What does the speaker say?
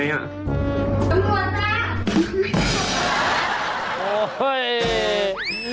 จำนวนล่ะ